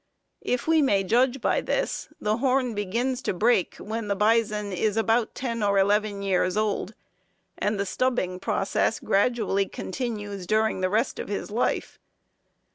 If we may judge by this, the horn begins to break when the bison is about ten or eleven years old, and the stubbing process gradually continues during the rest of his life.